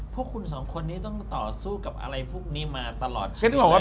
พวกคุณสองคนนี้ต้องต่อสู้กับอะไรพวกนี้มาตลอดชีวิต